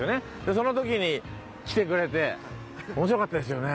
その時に来てくれて面白かったですよね。